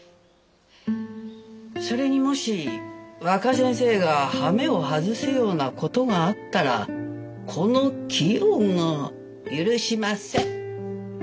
それにもし若先生がはめを外すようなことがあったらこのきよが許しません。